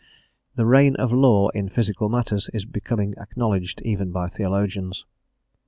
The "reign of law" in physical matters is becoming acknowledged even by theologians.